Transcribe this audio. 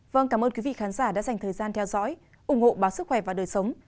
vâng cảm ơn quý vị khán giả đã dành thời gian theo dõi ủng hộ báo sức khỏe và đời sống